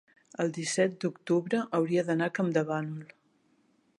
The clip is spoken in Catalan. el disset d'octubre hauria d'anar a Campdevànol.